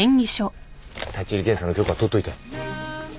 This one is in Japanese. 立入検査の許可取っといた。